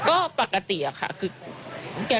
ก็ปกติค่ะแกก็ปกตินะคะคือคงจะตกใจด้วยค่ะ